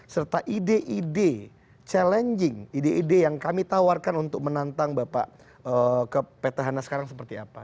serta ide ide challenging ide ide yang kami tawarkan untuk menantang bapak ke petahana sekarang seperti apa